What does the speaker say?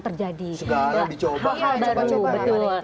terjadi segala dicoba